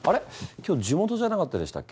今日地元じゃなかったでしたっけ？